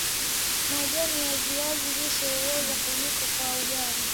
Majani ya viazi lishe huweza kuliwa kwa ugali